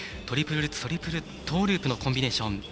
トリプルルッツトリプルトーループのコンビネーション。